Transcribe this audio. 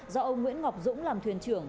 do ông nguyễn ngọc dũng làm thuyền trưởng